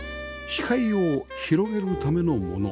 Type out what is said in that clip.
視界を広げるためのもの